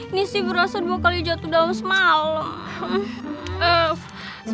ini sih berasa dua kali jatuh dalam semalam